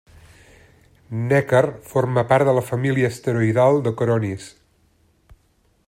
Neckar forma part de la família asteroidal de Coronis.